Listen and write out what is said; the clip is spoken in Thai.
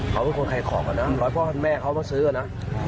เขาเป็นคนไทยของอะนะหลายพ่อแม่เขามาซื้ออะนะ